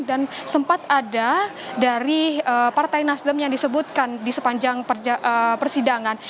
dan sempat ada dari partai nasdem yang disebutkan di sepanjang persidangan